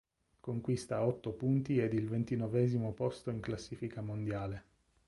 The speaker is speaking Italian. Conquista otto punti ed il ventinovesimo posto in classifica mondiale.